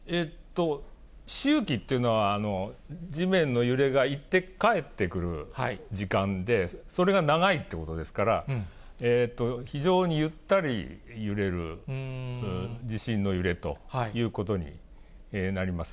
周期っていうのは、地面の揺れが行って帰ってくる時間で、それが長いということですから、非常にゆったり揺れる地震の揺れということになります。